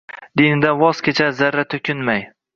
Dinidan voz kechar zarra o’kinmay